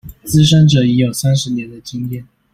資深者已有三十年的經驗